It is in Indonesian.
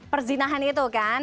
perzinahan itu kan